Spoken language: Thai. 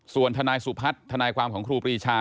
ส่วนทนายสุพัฒน์ทนายความของครูปรีชา